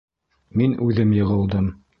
Мин үҙем йығылдым.